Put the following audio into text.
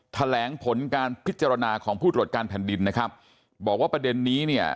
แถลงผลการพิจารณาของผู้ตรวจการแผ่นดินนะครับบอกว่าประเด็นนี้เนี่ย